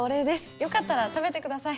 よかったら食べてください